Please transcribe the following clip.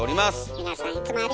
皆さんいつもありがとう。